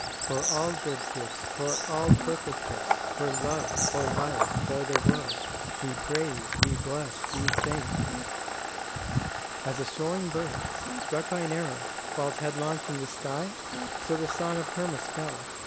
"For all good gifts, for all perfect gifts, for love, for life, for the world, we praise, we bless, we thank " As a soaring bird, struck by an arrow, falls headlong from the sky, so the song of Hermas fell.